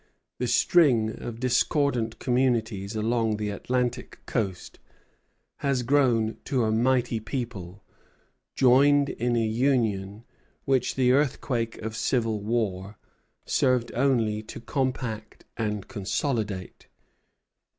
The string of discordant communities along the Atlantic coast has grown to a mighty people, joined in a union which the earthquake of civil war served only to compact and consolidate.